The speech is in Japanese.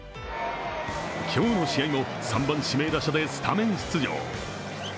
今日の試合も３番・指名打者でスタメン出場。